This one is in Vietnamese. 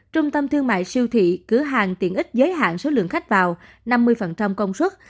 trung tâm thương mại siêu thị cửa hàng tiện ích giới hạn số lượng khách vào năm mươi công suất